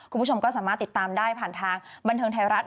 คุณผู้ชมก็สามารถติดตามได้ผ่านทางบันเทิงไทยรัฐ